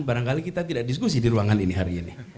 barangkali kita tidak diskusi di ruangan ini hari ini